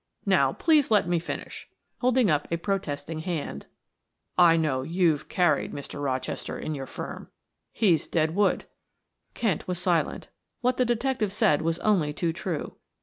Now, please let me finish," holding up a protesting hand. "I know you've carried Mr. Rochester in your firm; he's dead wood." Kent was silent. What the detective said was only too true.